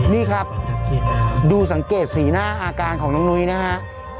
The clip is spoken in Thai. นี่ครับดูสังเกตสีหน้าอาการของน้องนุ้ยนะฮะ